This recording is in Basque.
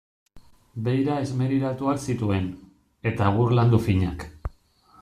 Beira esmerilatuak zituen, eta egur landu finak.